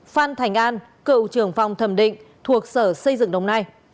phan thành an cựu trưởng phòng thẩm định thuộc sở xây dựng đồng nai